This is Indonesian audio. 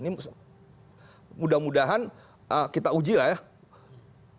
ini mudah mudahan kita uji lah ya